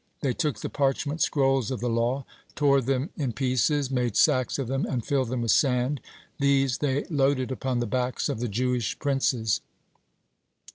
They took the parchment scrolls of the law, tore them in pieces, made sacks of them, and filled them with sand; these they loaded upon the backs of the Jewish princes.